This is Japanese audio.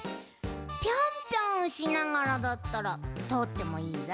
ぴょんぴょんしながらだったらとおってもいいぞ！